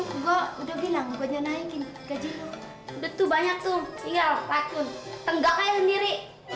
gua udah bilang buatnya naikin gaji tuh banyak tuh tinggal racun tenggaknya sendiri